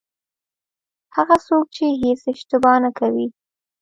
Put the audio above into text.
هغه څوک چې هېڅ اشتباه نه کوي.